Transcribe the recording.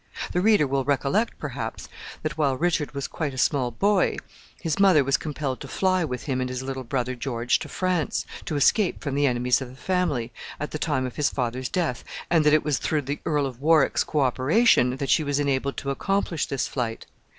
The reader will recollect, perhaps, that while Richard was quite a small boy, his mother was compelled to fly with him and his little brother George to France, to escape from the enemies of the family, at the time of his father's death, and that it was through the Earl of Warwick's co operation that she was enabled to accomplish this flight.